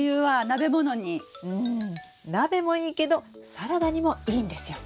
うん鍋もいいけどサラダにもいいんですよ。